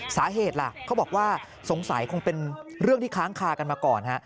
สาเหตุล่ะเขาบอกว่าสงสัยคงเป็นเรื่องที่ค้างคากันมาก่อนฮะ